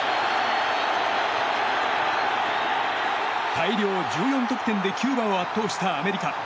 大量１４得点でキューバを圧倒したアメリカ。